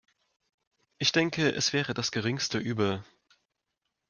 Ich denke, es wäre das geringste Übel.